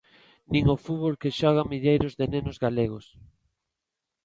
Nin o fútbol que xogan milleiros de nenos galegos.